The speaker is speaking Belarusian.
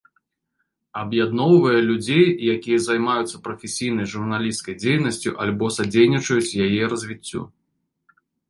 Аб'ядноўвае людзей, якія займаюцца прафесійнай журналісцкай дзейнасцю альбо садзейнічаюць яе развіццю.